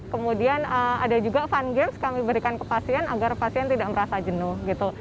kemudian ada juga fun games kami berikan ke pasien agar pasien tidak merasa jenuh gitu